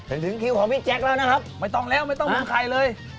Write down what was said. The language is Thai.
เห็นถึงคิวของพี่แจ็คแล้วนะครับไม่ต้องแล้วไม่ต้องมุมไข่เลย